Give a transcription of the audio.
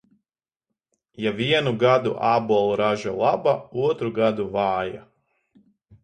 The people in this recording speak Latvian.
Ja vienu gadu ābolu raža laba, otru gadu vāja.